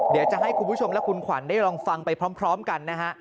เดี๋ยวจะให้คุณผู้ชมและคุณขวัญได้ลองฟังไปพร้อมกันนะฮะ